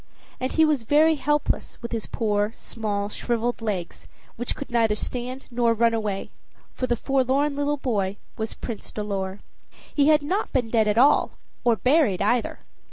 And he was very helpless, with his poor, small shriveled legs, which could neither stand nor run away for the little forlorn boy was Prince Dolor. He had not been dead at all or buried either.